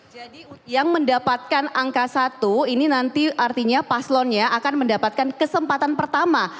jadi yang mendapatkan angka satu ini nanti artinya paslonnya akan mendapatkan kesempatan pertama